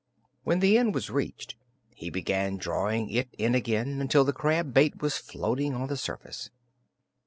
When the end was reached, he began drawing it in again, until the crab bait was floating on the surface.